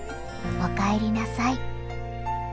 おかえりなさい。